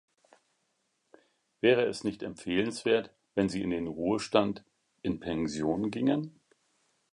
Wäre es nicht empfehlenswert, wenn sie in den Ruhestand, in Pension gingen?